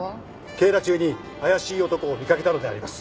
警ら中に怪しい男を見かけたのであります。